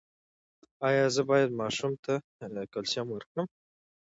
ایا زه باید ماشوم ته کلسیم ورکړم؟